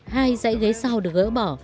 hai dãy ghế sau được gỡ bỏ